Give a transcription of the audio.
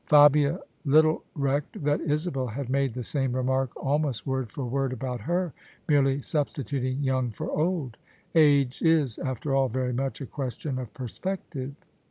Fabia little recked that Isabel had made the same remark almost word for word about her, merely substituting * young ' for ' old.' Age is after all very much a question of perspective.